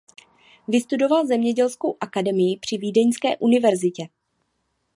Vystudoval zemědělskou akademii při Vídeňské univerzitě.